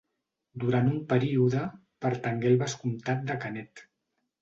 Durant un període, pertangué al vescomtat de Canet.